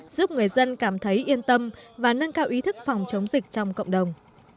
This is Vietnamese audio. giúp người dân cảm thấy yên tâm và nâng cao ý thức phòng chống dịch trong cộng đồng